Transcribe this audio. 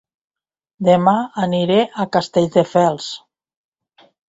Dema aniré a Castelldefels